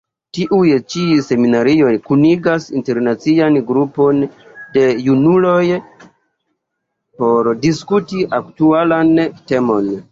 Tiuj ĉi seminarioj kunigas internacian grupon de junuloj por diskuti aktualan temon.